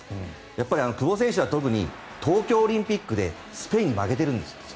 やっぱり久保選手は特に東京オリンピックでスペインに負けているんです。